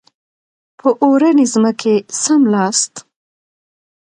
په اورنۍ ځمکه څملاست.